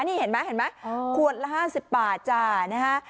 นี่เห็นไหมขวดละ๕๐บาทจ้านะคะ